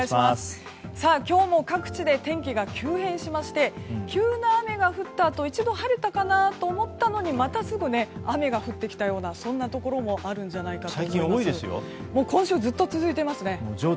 今日も各地で天気が急変しまして急な雨が降ったあと一度晴れたかと思ったのにまたすぐ、雨が降ってきたようなそんなところもあるんじゃないかと思います。